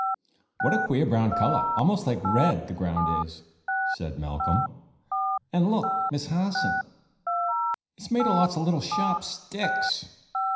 '" "What a queer brown color almost like red the ground is!" said Malcolm. "And look, Miss Harson! it's made of lots of little sharp sticks."